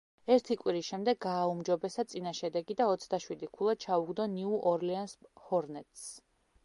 ერთი კვირის შემდეგ გააუმჯობესა წინა შედეგი და ოცდაშვიდი ქულა ჩაუგდო ნიუ ორლეანს ჰორნეტსს.